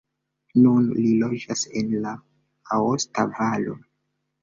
Nun li loĝas en la aosta valo.